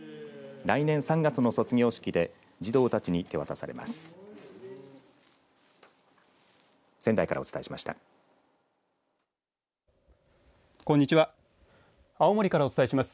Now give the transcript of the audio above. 来年３月の卒業式で児童たちに手渡されます。